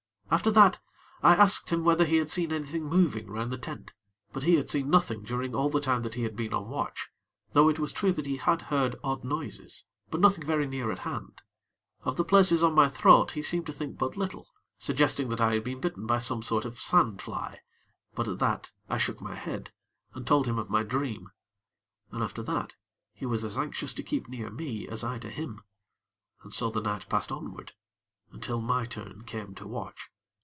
After that, I asked him whether he had seen anything moving round the tent; but he had seen nothing during all the time that he had been on watch; though it was true that he had heard odd noises; but nothing very near at hand. Of the places on my throat he seemed to think but little, suggesting that I had been bitten by some sort of sand fly; but at that, I shook my head, and told him of my dream, and after that, he was as anxious to keep near me as I to him. And so the night passed onward, until my turn came to watch.